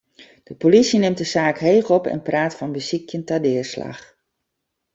De polysje nimt de saak heech op en praat fan besykjen ta deaslach.